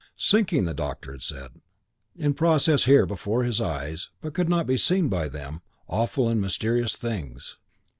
"Sinking," the doctor had said. In process here before his eyes, but not to be seen by them, awful and mysterious things.